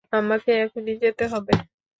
আমাকে এখনি যেতে হবে।